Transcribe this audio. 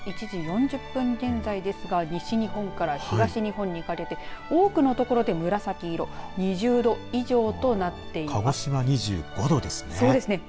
１時４０分現在ですが西日本から東日本にかけて多くの所で紫色２０度以上となっています。